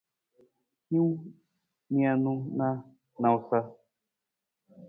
Hin niinu na nawusa.